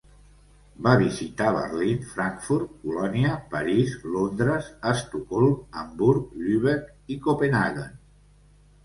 Va visitar Berlín, Frankfurt, Colònia, París, Londres, Estocolm, Hamburg, Lübeck i Copenhaguen.